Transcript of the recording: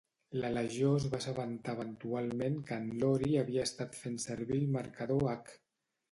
La legió es va assabentar eventualment que en Lori havia estat fent servir el marcador H.